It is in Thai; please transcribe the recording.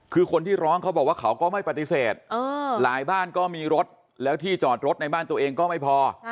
คือคนที่ร้องเขาบอกว่าเขาก็ไม่ปฏิเสธหลายบ้านก็มีรถแล้วที่จอดรถในบ้านตัวเองก็ไม่พอ